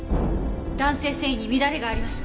弾性繊維に乱れがありました。